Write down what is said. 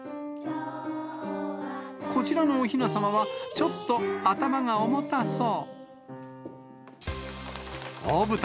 こちらのおひなさまは、ちょっと頭が重たそう。